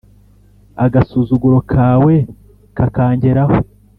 agasuzuguro kawe kakangeraho;